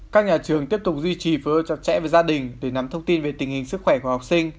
các nhà trường tiếp tục duy trì phương ưu trọng trẻ và gia đình để nắm thông tin về tình hình sức khỏe của học sinh